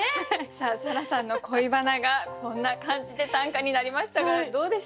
さあ沙羅さんの恋バナがこんな感じで短歌になりましたがどうでした？